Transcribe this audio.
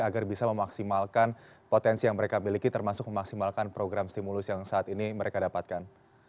agar bisa memaksimalkan potensi yang mereka miliki termasuk memaksimalkan program stimulus yang saat ini mereka dapatkan